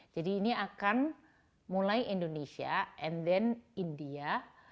jadi ini akan mulai indonesia and then india